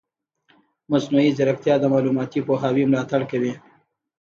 مصنوعي ځیرکتیا د معلوماتي پوهاوي ملاتړ کوي.